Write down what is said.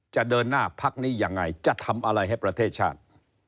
จะเดินหน้าพักนี้ยังไงจะทำอะไรให้ประเทศชาติ